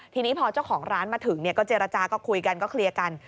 ทีนี้พอเจ้าของร้านมาถึงก็เจรจาก็คุยกันก็เคลียร์กัน